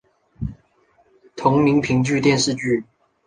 同名评剧电视剧